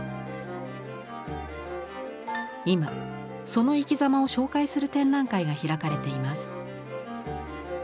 今その生きざまを紹介する展覧会が開かれています。